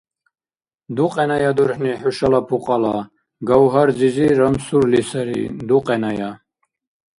Дукьеная дурхӀни хӀушала пукьала! Гавгьар-зизи рамсурли сари. Дукьеная!